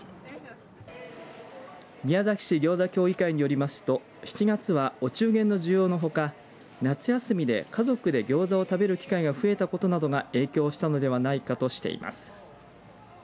宮崎市ぎょうざ協議会によりますと７月はお中元の需要のほか夏休みで、家族でギョーザを食べる機会が増えたことなどが影響したのではないかとしています。